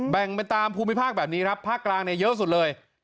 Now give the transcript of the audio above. แบ่งเป็นตามภูมิภาคแบบนี้ครับภาคกลางเนี่ยเยอะสุดเลย